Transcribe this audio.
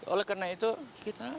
oleh karena itu kita